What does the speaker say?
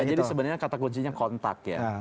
jadi sebenarnya kata kuncinya kontak ya